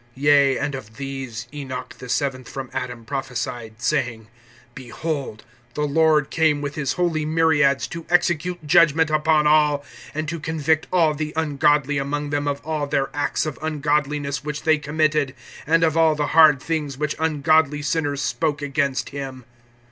(14)Yea, and of these Enoch the seventh from Adam prophesied, saying: Behold, the Lord came, with his holy myriads. (15)to execute judgment upon all, and to convict all the ungodly among them of all their acts of ungodliness which they committed, and of all the hard things which ungodly sinners spoke against him.